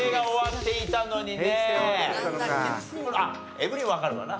エブリンわかるわな。